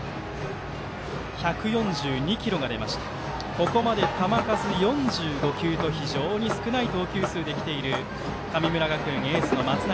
ここまで球数４５球と非常に少ない投球数できている神村学園、エースの松永。